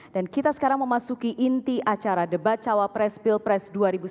dan kita sekarang memasuki inti acara debat cawa press pilpres dua ribu sembilan belas